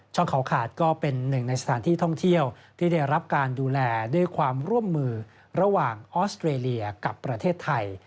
เขาขาดก็เป็นหนึ่งในสถานที่ท่องเที่ยวที่ได้รับการดูแลด้วยความร่วมมือระหว่างออสเตรเลียกับประเทศไทย